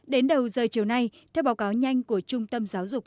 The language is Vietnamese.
đến đầu giờ chiều nay theo báo cáo nhanh của trung tâm giáo dục